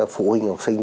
phụ huynh học sinh